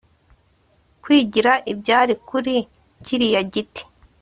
kwigira ibyari kuri kiriya giti